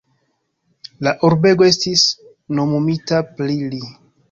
La urbego estis nomumita pri li.